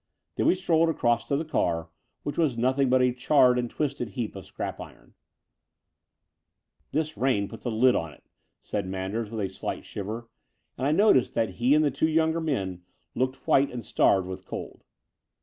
Then we strolled across to the car, which was nothing but a charred and twisted heap of scrap iron. This rain puts the lid on it, said Manders, with a slight shiver; and I noticed that he and the two younger men looked white and starved with cold.